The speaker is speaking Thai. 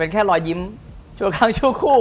แค่รอยยิ้มชั่วครั้งชั่วคู่